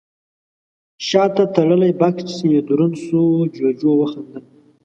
شاته تړلی بکس يې دروند شو، جُوجُو وخندل: